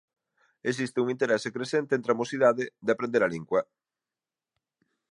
Existe un interese crecente entre a mocidade de aprender a lingua.